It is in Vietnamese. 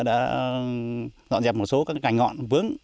dọn dẹp một số cảnh ngọn vướng